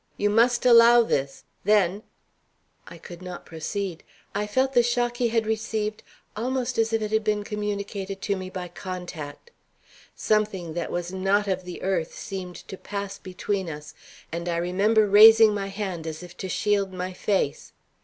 You must allow this. Then " I could not proceed. I felt the shock he had received almost as if it had been communicated to me by contact. Something that was not of the earth seemed to pass between us, and I remember raising my hand as if to shield my face.